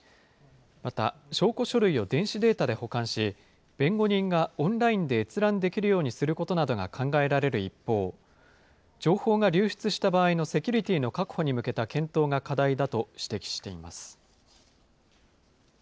また、証拠書類を電子データで保管し、弁護人がオンラインで閲覧できるようにすることなどが考えられる一方、情報が流出した場合のセキュリティーの確保に向けた検討が課題だと指摘しています。